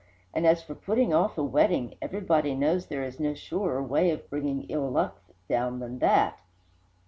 And as for putting off a wedding, everybody knows there is no surer way of bringing ill luck down than that!